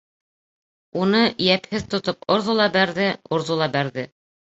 Уны, йәпһеҙ тотоп орҙо ла бәрҙе, орҙо ла бәрҙе.